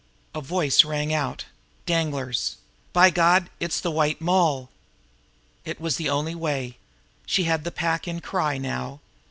A voice rang out Danglar's: "By God, it's the White Moll!" It was the only way! She had the pack in cry now.